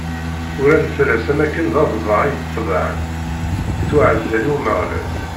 Uran fell-as am akken d aḍbaɛ i t-ḍebɛen: Ittwaɛzel i Umeɣlal.